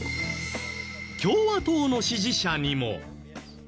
共和党の支持者にも。